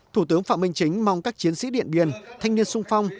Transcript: thủ tướng phạm minh chính mong các chiến sĩ điện biên thanh niên sung phong